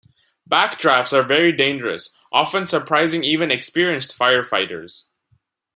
Backdrafts are very dangerous, often surprising even experienced firefighters.